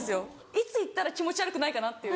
いつ行ったら気持ち悪くないかなっていう。